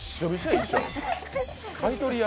買い取りや。